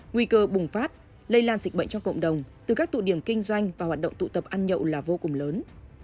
nguy cơ bùng phát lây lan dịch bệnh trong cộng đồng từ các tụ điểm kinh doanh và hoạt động tụ tập ăn nhậu là vô cùng lớn